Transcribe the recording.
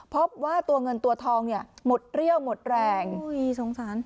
พบว่าตัวเงินตัวทองเนี่ยหมดเรี่ยวหมดแรงสงสาร